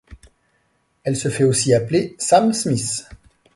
Elle se fait aussi appeler Sam Smith.